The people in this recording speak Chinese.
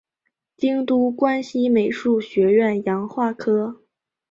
京都关西美术学院洋画科